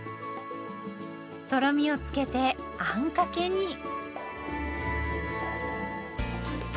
とろみをつけてあんかけに。